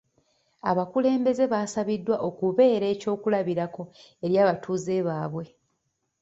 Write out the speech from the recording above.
Abakulumbeze basabiddwa okubeera eky'okulabirako eri abatuuze baabwe.